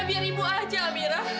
biar ibu aja amira